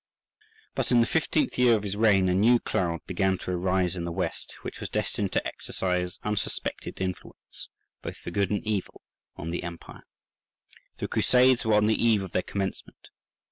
But in the fifteenth year of his reign a new cloud began to arise in the west, which was destined to exercise unsuspected influence, both for good and evil, on the empire. The Crusades were on the eve of their commencement.